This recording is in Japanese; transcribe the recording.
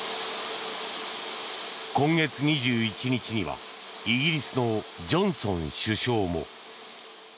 今月２１日にはイギリスのジョンソン首相も。